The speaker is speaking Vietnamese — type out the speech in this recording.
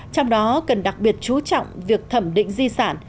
trong đó cần đặc biệt chú trọng việc thẩm định di sản